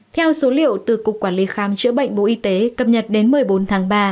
theo số liệu từ cục quản lý khám chữa bệnh bộ y tế cập nhật đến một mươi bốn tháng ba